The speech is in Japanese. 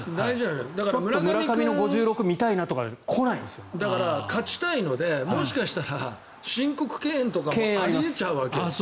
村上の５６見たいなとか来ないんですよ。だから、勝ちたいのでもしかしたら申告敬遠とかもあり得ちゃうわけ。